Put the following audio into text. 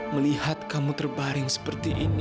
melihat kamu terbaring seperti ini